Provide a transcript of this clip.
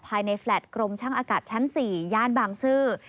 แฟลตกรมช่างอากาศชั้น๔ย่านบางซื่อ